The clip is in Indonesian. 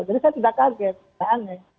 jadi saya tidak kaget tak aneh